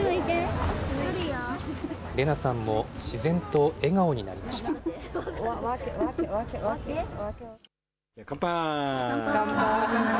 レナさんも自然と笑顔になりまし乾杯。